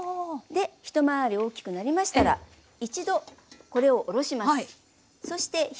で一回り大きくなりましたら一度これを下ろします。